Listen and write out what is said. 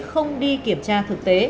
không đi kiểm tra thực tế